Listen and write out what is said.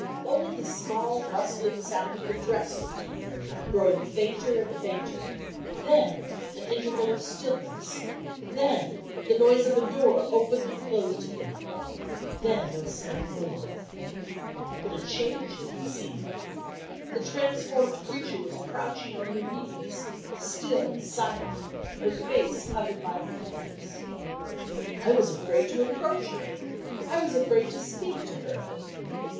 Only the small rustling sound of the dress was to be heard, growing fainter and fainter; then an interval of stillness; then the noise of a door opened and closed again; then no sound more but a change to be seen: the transformed creature was crouching on her knees, still and silent, her face covered by her hands. I was afraid to approach her; I was afraid to speak to her.